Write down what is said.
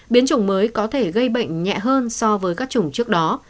biến chủng mới có thể gây bệnh nhẹ hơn so với các chủng trước đó